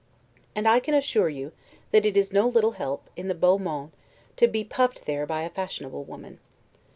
And I can assure you that it is no little help, in the 'beau monde', to be puffed there by a fashionable woman.